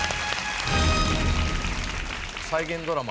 再現ドラマ